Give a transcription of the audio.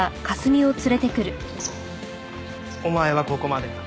お前はここまでだ。